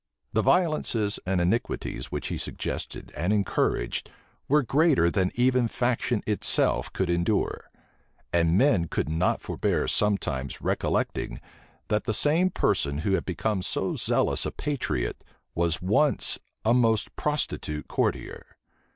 The violences and iniquities which he suggested and encouraged, were greater than even faction itself could endure; and men could not forbear sometimes recollecting, that the same person who had become so zealous a patriot, was once a most prostitute courtier.